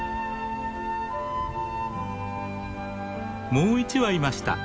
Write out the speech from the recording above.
もう一羽いました。